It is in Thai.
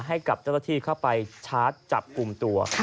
ให้กับเจ้าหน้าที่เข้าไปชาร์จจับกลุ่มตัว